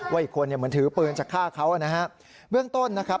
อีกคนเนี่ยเหมือนถือปืนจะฆ่าเขานะฮะเบื้องต้นนะครับ